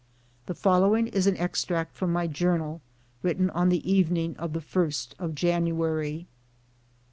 The following is an extract from my journal, written on the evening of the 1st of January.